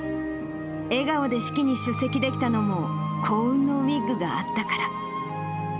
笑顔で式に出席できたのも、幸運のウイッグがあったから。